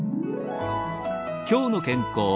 「きょうの健康」。